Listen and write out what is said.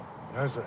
それ。